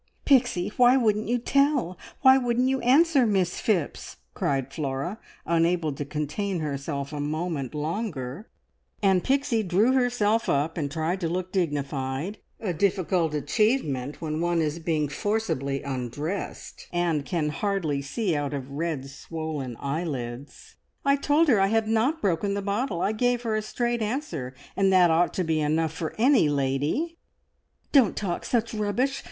"Pixie, why wouldn't you tell? Why wouldn't you answer Miss Phipps?" cried Flora, unable to contain herself a moment longer; and Pixie drew herself up, and tried to look dignified, a difficult achievement when one is being forcibly undressed, and can hardly see out of red, swollen eyelids. "I told her I had not broken the bottle. I gave her a straight answer, and that ought to be enough for any lady!" "Don't talk such rubbish!